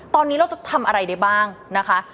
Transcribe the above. ตอนนี้เราจะทำอะไรได้บ้างนะคะ